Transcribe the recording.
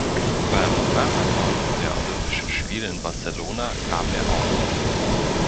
Beim Marathon der Olympischen Spiele in Barcelona gab er auf.